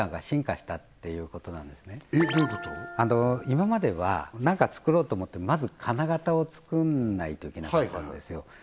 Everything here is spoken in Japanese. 今までは何か作ろうと思ってもまず金型を作んないといけなかったんですよ